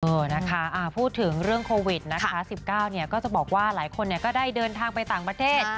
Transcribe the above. นะคะพูดถึงเรื่องโควิดนะคะ๑๙เนี่ยก็จะบอกว่าหลายคนก็ได้เดินทางไปต่างประเทศ